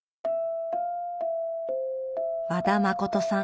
和田誠さん。